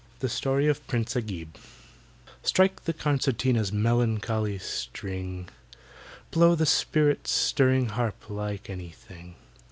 THE STORY OF PRINCE AGIB STRIKE the concertina's melancholy string! Blow the spirit stirring harp like anything!